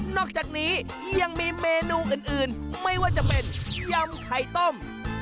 อกจากนี้ยังมีเมนูอื่นไม่ว่าจะเป็นยำไข่ต้ม